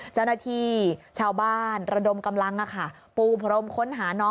เจ้าหน้าที่ชาวบ้านระดมกำลังปูพรมค้นหาน้อง